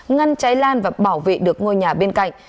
ngăn cháy lan và bảo vệ được ngôi nhà bên cạnh